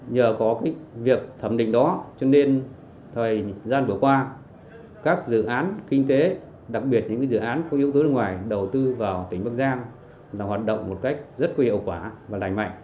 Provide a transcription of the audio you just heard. nhờ có việc thẩm định đó cho nên thời gian vừa qua các dự án kinh tế đặc biệt những dự án phí ưu tú nước ngoài đầu tư vào tỉnh bắc giang đã hoạt động một cách rất quy hiệu quả và lành mạnh